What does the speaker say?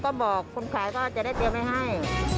ก็บอกคนขายก็จะได้เตรียมไว้ให้